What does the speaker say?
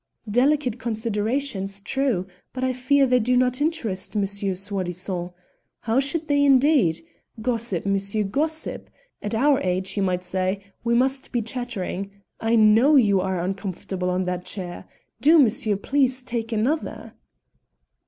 "Delicate considerations, true, but I fear they do not interest Monsieur Soi disant. How should they indeed? Gossip, monsieur, gossip! At our age, as you might say, we must be chattering. I know you are uncomfortable on that chair. Do, monsieur, please take another."